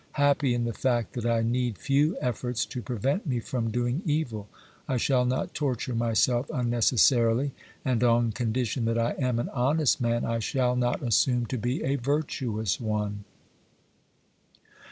Happy in the fact that I need few efforts to prevent me from doing evil, I shall not torture myself unnecessarily, and on condition that I am an honest man I shall not assume to be a virtuous one.